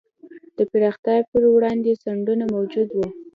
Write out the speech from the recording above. د پراختیا پر وړاندې خنډونه موجود وو.